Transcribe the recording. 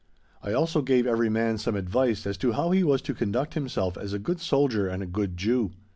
I also gave every man some advice as to how he was to conduct himself as a good soldier and a good Jew.